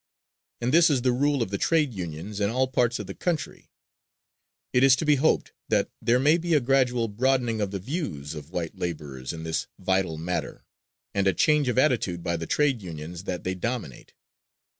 And this is the rule of the trade unions in all parts of the country. It is to be hoped that there may be a gradual broadening of the views of white laborers in this vital matter and a change of attitude by the trade unions that they dominate.